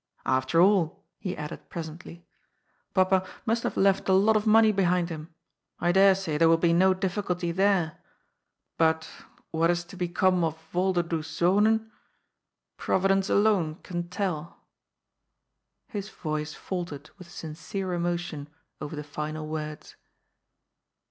" After all," he added presently, " Papa must have left a lot of money behind him. I dare say there will be no diffi culty there. But what is to become of Volderdoes Zonen Providence alone can tell." His voice faltered with sincere emotion over the final words.